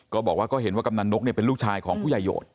ก็บอกว่าก็เห็นว่ากำนันนกเป็นลูกชายของผู้ใหญ่โหด